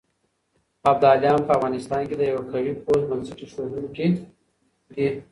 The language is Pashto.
ابداليان په افغانستان کې د يوه قوي پوځ بنسټ اېښودونکي دي.